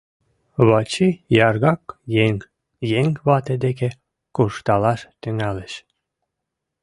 Вачи яргак еҥ... еҥ вате деке куржталаш тӱҥалеш...